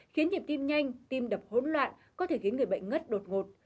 khiến nhịp tim nhanh tim đập hỗn loạn có thể khiến người bệnh ngất đột ngột